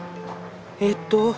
えっと